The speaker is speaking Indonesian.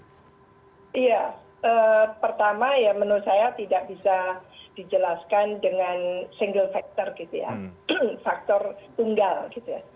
iya pertama ya menurut saya tidak bisa dijelaskan dengan single factor gitu ya